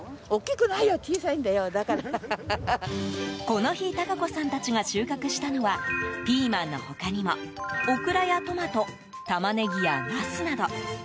この日孝子さんたちが収穫したのはピーマンの他にもオクラやトマトタマネギやナスなど。